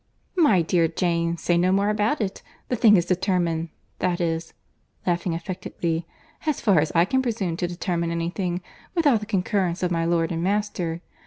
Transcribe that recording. "My dear Jane, say no more about it. The thing is determined, that is (laughing affectedly) as far as I can presume to determine any thing without the concurrence of my lord and master.